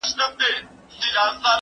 چې دا مادي کاینات.